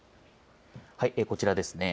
こちらですね。